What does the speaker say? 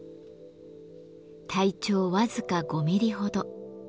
体長僅か５ミリほど。